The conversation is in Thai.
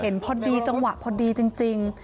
พอดีจังหวะพอดีจริง